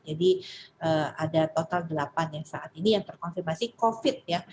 jadi ada total delapan yang saat ini yang terkonfirmasi covid ya